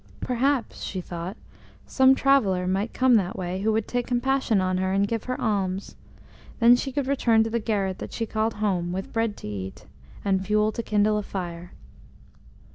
Perhaps, she thought, some traveller might come that way who would take compassion on her, and give her alms; then she could return to the garret that she called "home," with bread to eat, and fuel to kindle a fire.